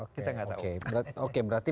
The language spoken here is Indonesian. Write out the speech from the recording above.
kita gak tau oke berarti